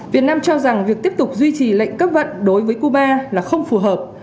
việt nam cho rằng việc tiếp tục duy trì lệnh cấp vận đối với cuba là không phù hợp